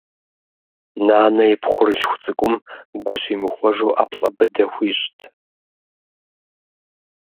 Нанэ и пхъурылъху цӏыкӏум гу щимыхуэжу ӏэплӏэ быдэ хуищӏт.